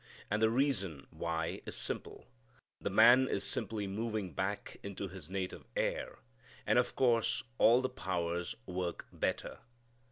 And the reason why is simple. The man is simply moving back into his native air, and of course all the powers work better.